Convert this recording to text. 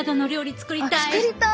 作りたい！